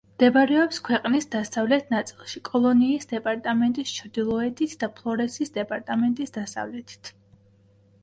მდებარეობს ქვეყნის დასავლეთ ნაწილში, კოლონიის დეპარტამენტის ჩრდილოეთით და ფლორესის დეპარტამენტის დასავლეთით.